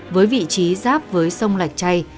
với vị trí giáp với sông lạch chay